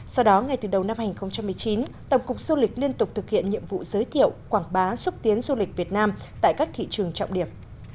sau đó ngay từ đầu năm hai nghìn một mươi chín tổng cục du lịch liên tục thực hiện nhiệm vụ giới thiệu quảng bá xúc tiến du lịch việt nam tại các thị trường trọng điểm